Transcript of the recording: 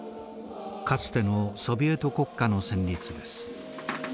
かつてのソビエト国歌の旋律です。